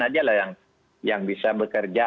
saja yang bisa bekerja